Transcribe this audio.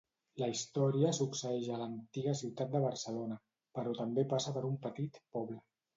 La història succeeix a l'antiga ciutat de Barcelona, però també passa per un petit poble.